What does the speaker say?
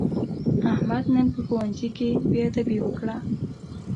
احمد نن په ښوونځي کې بېادبي وکړه.